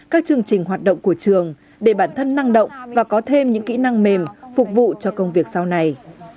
các chương trình hoạt động của trường để bản thân năng động và có thêm những kỹ năng mềm phục vụ cho công việc sau này